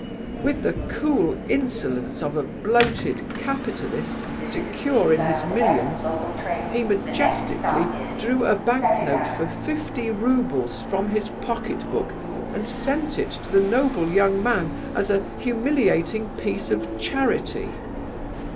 With the cool insolence of a bloated capitalist, secure in his millions, he majestically drew a banknote for fifty roubles from his pocket book and sent it to the noble young man as a humiliating piece of charity.